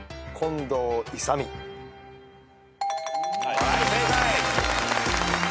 はい正解。